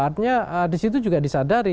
artinya disitu juga disadari